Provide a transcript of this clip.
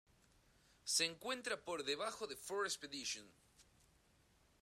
Se encuentra por debajo de Ford Expedition.